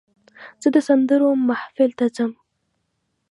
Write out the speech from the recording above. زه د سندرو محفل ته ځم.